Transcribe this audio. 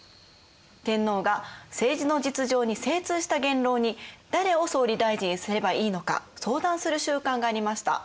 天皇が政治の実情に精通した元老に誰を総理大臣にすればいいのか相談する習慣がありました。